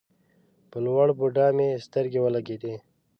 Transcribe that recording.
په لوړ بودا مې سترګې ولګېدې.